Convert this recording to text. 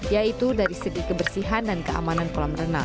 yaitu dari segi kebersihan dan keamanan kolam renang